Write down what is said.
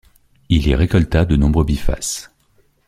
Il y récolta de nombreux bifaces.